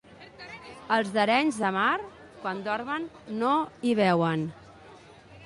Els d'Arenys de Mar, quan dormen no hi veuen.